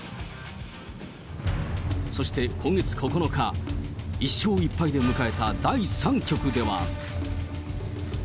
そして今月９日、１勝１敗で迎えた第３局では。